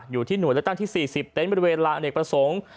อยู่ที่หน่วยเลือกตั้งที่๔๐เต็นต์บริเวณลานอเนกประสงค์